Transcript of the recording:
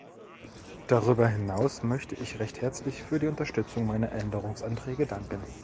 Darüber hinaus möchte ich recht herzlich für die Unterstützung meiner Änderungsanträge danken.